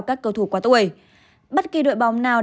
các cầu thủ quá tuổi bất kỳ đội bóng nào